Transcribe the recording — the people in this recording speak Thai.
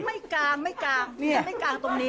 กลางไม่กลางไม่กลางตรงนี้